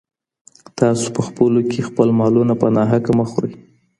تاسو په خپلو کي خپل مالونه په ناحقه مه خورئ.